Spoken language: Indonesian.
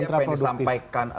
tadi saya ingin disampaikan